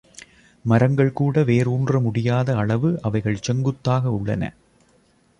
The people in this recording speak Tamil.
மரங்கள்கூட வேர் ஊன்ற முடியாத அளவு அவைகள் செங்குத்தாக உள்ளன.